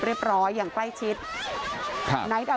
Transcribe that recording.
ขอบคุณครับขอบคุณครับ